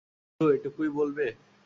শুধু এটুকুই বলবে?